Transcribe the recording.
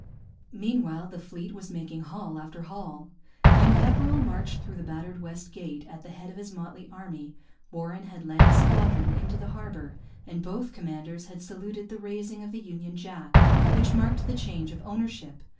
Meanwhile the fleet was making haul after haul. When Pepperrell marched through the battered West Gate, at the head of his motley army, Warren had led his squadron into the harbour; and both commanders had saluted the raising of the Union Jack which marked the change of ownership.